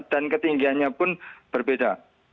dan ketinggiannya pun berbeda